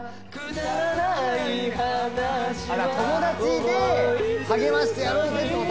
あら友達で励ましてやろうぜって事？